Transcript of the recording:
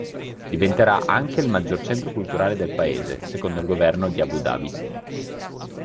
Diventerà anche il maggior centro culturale del paese, secondo il governo di Abu Dhabi.